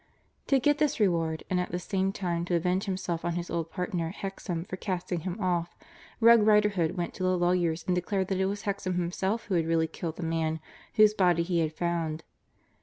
To get this reward and at the same time to avenge himself on his old partner Hexam for casting him off, Rogue Riderhood went to the lawyers and declared that it was Hexam himself who had really killed the man whose body he had found.